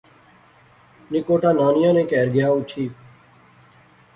نکوٹا نانیاں نے کہر گیا اُٹھی